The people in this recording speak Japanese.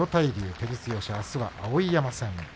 照強、あすは碧山戦。